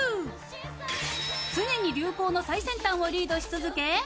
常に流行の最先端をリードし続け